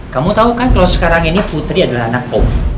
kamu tau kan kalau sekarang ini putri adalah anak om